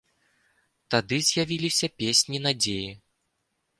Тады з'явіліся песні надзеі.